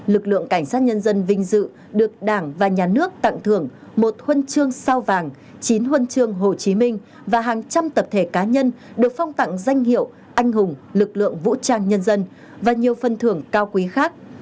lực lượng cảnh sát nhân dân vinh dự được đảng và nhà nước tặng thưởng một huân chương sao vàng chín huân chương hồ chí minh và hàng trăm tập thể cá nhân được phong tặng danh hiệu anh hùng lực lượng vũ trang nhân dân và nhiều phần thưởng cao quý khác